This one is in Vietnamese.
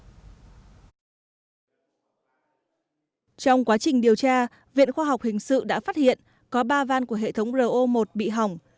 trong quá trình điều tra viện khoa học hình sự đã phát hiện có ba van của hệ thống ro một bị hỏng